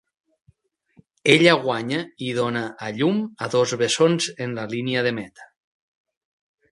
Ella guanya i dona a llum a dos bessons en la línia de meta.